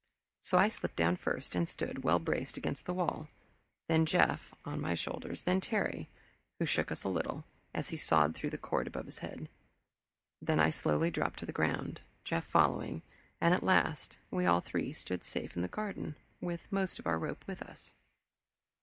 So I slipped down first, and stood, well braced against the wall; then Jeff on my shoulders, then Terry, who shook us a little as he sawed through the cord above his head. Then I slowly dropped to the ground, Jeff following, and at last we all three stood safe in the garden, with most of our rope with us.